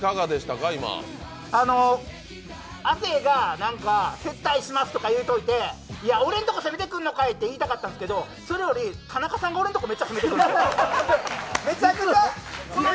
亜生が接待しますとか言うておいて俺のところ攻めてくるのかいって言いたかったんですけどそれより、田中さんが俺んとこめっちゃ攻めてくるんです。